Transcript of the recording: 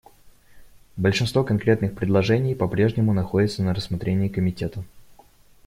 Большинство конкретных предложений по-прежнему находится на рассмотрении Комитета.